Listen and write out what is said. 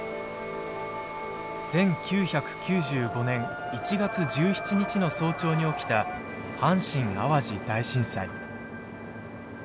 １９９５年１月１７日の早朝に起きた阪神・淡路大震災。